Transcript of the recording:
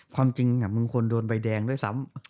ความจริงมึงควรโดนใบแดงด้วยซ้ำ